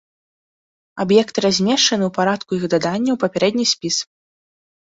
Аб'екты размешчаны ў парадку іх дадання ў папярэдні спіс.